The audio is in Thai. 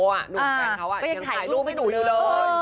แฟนเขายังถ่ายรูปให้หนูอยู่เลย